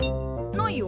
ないよ。